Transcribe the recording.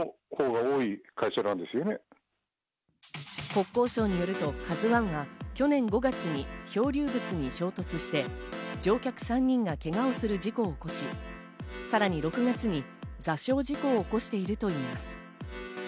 国交省によると「ＫＡＺＵ１」は去年５月に漂流物に衝突して乗客３人がけがをする事故を起こし、さらに６月に座礁事故を起こしているといいます。